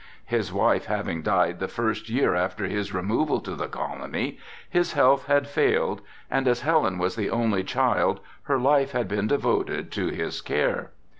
His wife having died the first year after his removal to the colony, his health had failed, and as Helen was the only child her life had been devoted to his care.